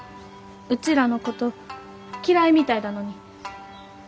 うちらのこと嫌いみたいだのに。